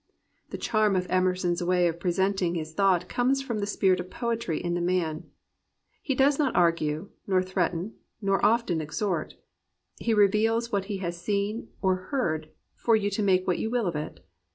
The charm of Emerson's way of presenting his. thought comes from the spirit of poetry in the man» He does not argue, nor threaten, nor often exhort; he reveals what he has seen or heard, for you to make what you will of it.